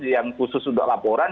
yang khusus untuk laporan